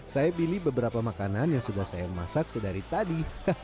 saya pilih beberapa makanan yang sudah saya masak sedari tadi